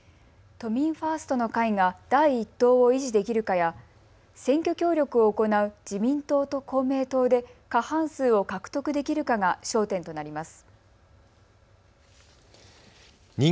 都民ファーストの会が第１党を維持できるかや選挙協力を行う自民党と公明党で過半数を獲得できるかが焦点となります。